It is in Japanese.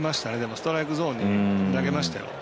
ストライクゾーンに投げましたよ。